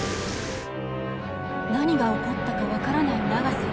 何が起こったか分からない永瀬。